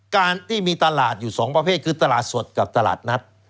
การที่มีตลาดอยู่๒ประเภทคือตลาดสดกับตลาดนัด